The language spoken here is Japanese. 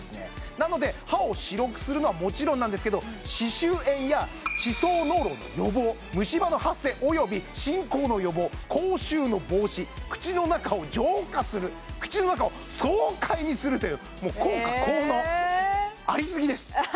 なので歯を白くするのはもちろんなんですけど歯周炎や歯槽膿漏の予防虫歯の発生および進行の予防口臭の防止口の中を浄化する口の中を爽快にするというもう効果効能ありすぎです